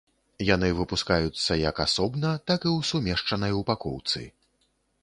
Яны выпускаюцца як асобна, так і ў сумешчанай упакоўцы.